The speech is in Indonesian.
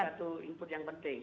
satu input yang penting